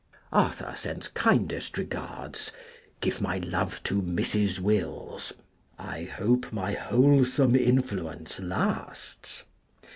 [1858 Arthur sends kindest regards. Give my love to Mrs. Wills. I hope my wholesome influence lasts